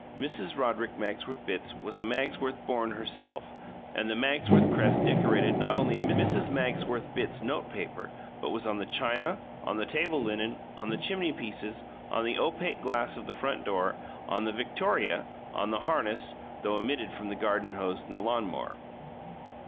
Mrs. Roderick Magsworth Bitts was a Magsworth born, herself, and the Magsworth crest decorated not only Mrs. Magsworth Bitts' note paper but was on the china, on the table linen, on the chimney pieces, on the opaque glass of the front door, on the victoria, and on the harness, though omitted from the garden hose and the lawn mower.